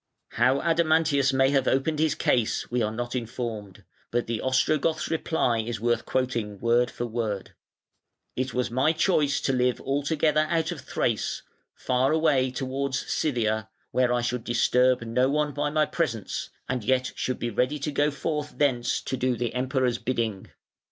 How Adamantius may have opened his case we are not informed, but the Ostrogoth's reply is worth quoting word for word: "It was my choice to live altogether out of Thrace, far away towards Scythia, where I should disturb no one by my presence, and yet should be ready to go forth thence to do the Emperor's bidding.